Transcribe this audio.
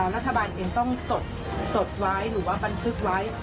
รัฐบาลเองต้องจดไว้หรือว่าบันทึกไว้